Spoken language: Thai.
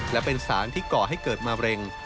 และเป็นสารที่ก่อให้เกิดมะเร็ง